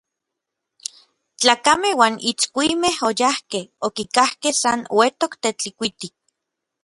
Tlakamej uan itskuimej oyajkej, okikajkej san uetok Tetlikuiti.